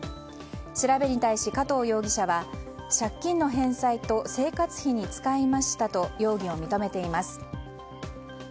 調べに対し、加藤容疑者は借金の返済と生活費に使いましたと容疑を認めています。